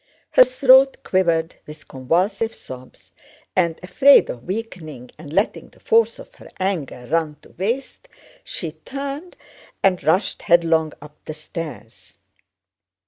Her throat quivered with convulsive sobs and, afraid of weakening and letting the force of her anger run to waste, she turned and rushed headlong up the stairs.